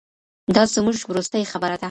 دا زموږ وروستۍ خبره ده.